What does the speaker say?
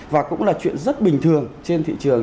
và cũng là chuyện rất bình thường trên thị trường